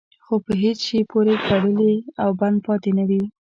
خو په هېڅ شي پورې تړلی او بند پاتې نه وي.